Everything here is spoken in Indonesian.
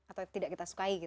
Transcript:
atau tidak kita sukai gitu ya